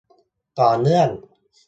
ต่อเนื่อง